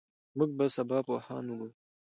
موږ به سبا پوهان وګورو.